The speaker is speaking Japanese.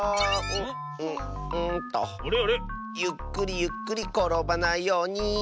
ゆっくりゆっくりころばないように。